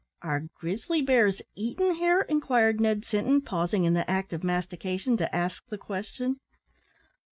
"Are grizzly bears eaten here?" inquired Ned Sinton, pausing in the act of mastication, to ask the question.